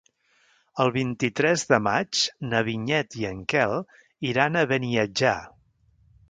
El vint-i-tres de maig na Vinyet i en Quel iran a Beniatjar.